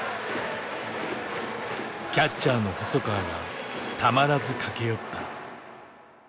キャッチャーの細川がたまらず駆け寄った。